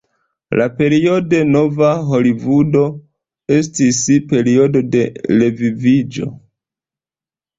La periodo "Nova Holivudo" estis periodo de reviviĝo.